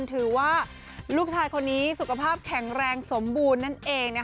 ถือว่าลูกชายคนนี้สุขภาพแข็งแรงสมบูรณ์นั่นเอง